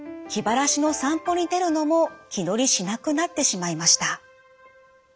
気晴らしの散歩に出るのも気乗りしなくなってしまいました。